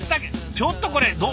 ちょっとこれどう。